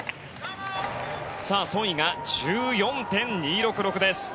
ソン・イ１４．２６６です。